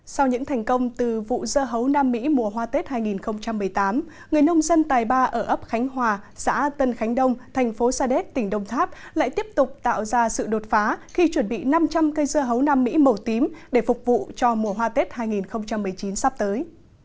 sau những thành công từ vụ dưa hấu nam mỹ mùa hoa tết hai nghìn một mươi tám người nông dân tài ba ở ấp khánh hòa xã tân khánh đông thành phố sa đéc tỉnh đông tháp lại tiếp tục tạo ra sự đột phá khi chuẩn bị năm trăm linh cây dưa hấu nam mỹ màu tím để phục vụ cho mùa hoa tết hai nghìn một mươi chín sắp tới